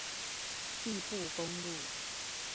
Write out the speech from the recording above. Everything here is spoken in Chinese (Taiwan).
義布公路